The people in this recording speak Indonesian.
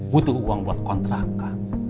butuh uang buat kontrakan